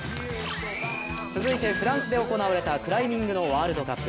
続いてフランスで行われたクライミングのワールドカップ。